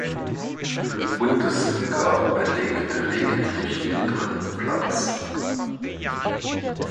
Bundesliga belegte lediglich den dritten Platz.